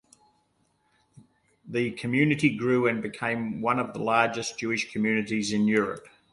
The community grew and became one of the largest Jewish communities in Europe.